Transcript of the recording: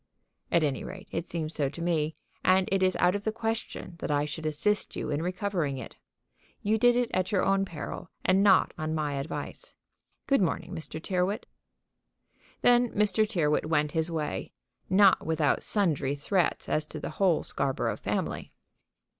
"At any rate it seems so to me; and it is out of the question that I should assist you in recovering it. You did it at your own peril, and not on my advice. Good morning, Mr. Tyrrwhit." Then Mr. Tyrrwhit went his way, not without sundry threats as to the whole Scarborough family.